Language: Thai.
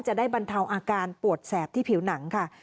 จะได้บรรเทาอาการปวดแสบที่ผิวหนังค่ะ